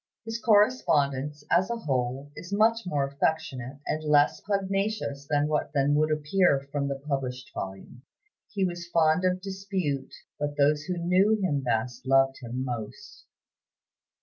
His correspondence, as a whole, is much more affectionate, and less pugnacious than would appear from the published volume. He was fond of dispute, but those who knew him best loved him most.